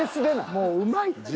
もううまいって。